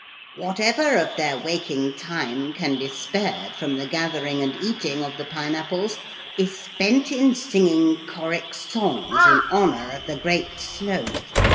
'Whatever of their waking time can be spared from the gathering and eating of the pine apples is spent in singing choric songs in honour of the Great Sloth.